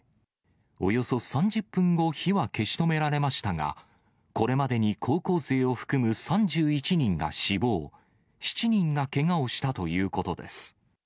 およそ３０分後、火は消し止められましたが、これまでに、高校生を含む３１人が死亡、７人がけがをしたということです。